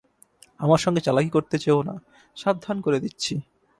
আমার সঙ্গে চালাকি করতে চেয়ো না, সাবধান করে দিচ্ছি।